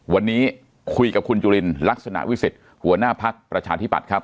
วันนี้คุยกับคุณจุลินลักษณะวิสิทธิ์หัวหน้าภักดิ์ประชาธิบัติครับ